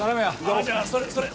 あぁじゃあそれそれ。